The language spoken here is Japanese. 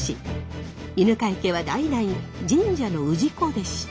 犬養家は代々神社の氏子でした。